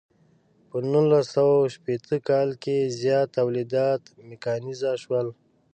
په نولس سوه شپیته کال کې زیات تولیدات میکانیزه شول.